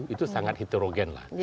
itu sangat heterogen lah